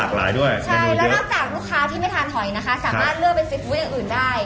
หลากหลายด้วยยกเลือกซินปูเอาอื่นได้